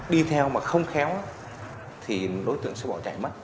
đi theo mà không khéo thì đối tượng sẽ bỏ chạy mất